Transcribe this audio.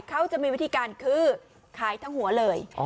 เขาจะมีวิธีการคือขายทั้งหัวเลย